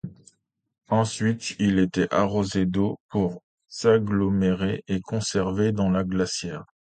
Ensuite, ils étaient arrosés d'eau pour s'agglomérer et conservés dans la glacière.